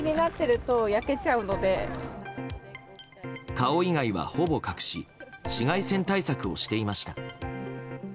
顔以外は、ほぼ隠し紫外線対策をしていました。